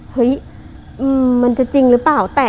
เฮ้ยมันจะจริงหรือเปล่า